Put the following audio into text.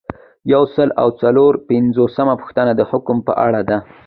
یو سل او څلور پنځوسمه پوښتنه د حکم په اړه ده.